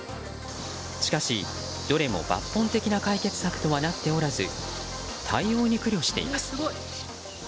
しかし、どれも抜本的な解決策とはなっておらず対応に苦慮しています。